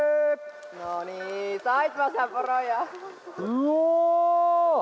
うお！